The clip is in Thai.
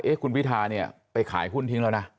คุณพิธาเนี่ยไปขายหุ้นทิ้งแล้วนะ